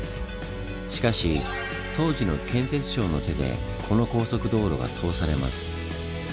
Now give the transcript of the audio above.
しかし当時の建設省の手でこの高速道路が通されます。